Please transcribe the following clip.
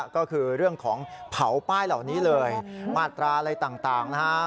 ก็คือเรื่องของเผาป้ายเหล่านี้เลยมาตราอะไรต่างนะฮะ